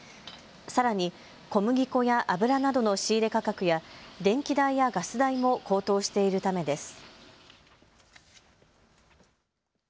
さらに小麦粉や油などの仕入れ価格や電気代やガス代も高騰しているためです。